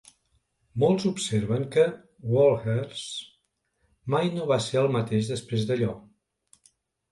Molts observen que Wohlers mai no va ser el mateix després d'allò.